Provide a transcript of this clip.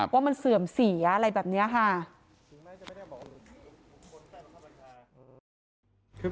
ว่ามันเสื่อมเสียอะไรแบบนี้ค่ะ